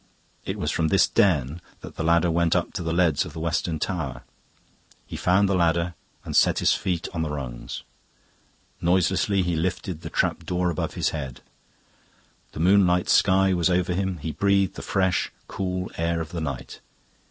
It was from this den that the ladder went up to the leads of the western tower. He found the ladder, and set his feet on the rungs; noiselessly, he lifted the trap door above his head; the moonlit sky was over him, he breathed the fresh, cool air of the night.